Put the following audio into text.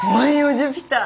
ジュピター」